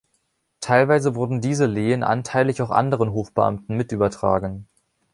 Teilweise wurden diese Lehen anteilig auch anderen Hofbeamten mit übertragen.